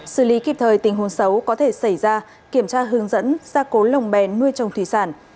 xử lý kịp thời tình huống xấu có thể xảy ra kiểm tra hướng dẫn gia cố lồng bé nuôi trồng thủy sản